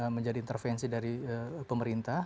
menjadi intervensi dari pemerintah